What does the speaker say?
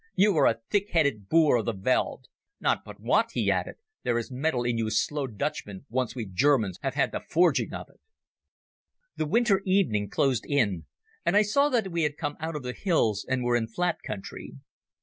You are a thick headed boor of the veld ... Not but what," he added, "there is metal in you slow Dutchmen once we Germans have had the forging of it!" The winter evening closed in, and I saw that we had come out of the hills and were in flat country.